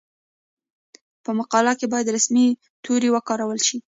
په مقاله کې باید رسمي توري وکارول شي.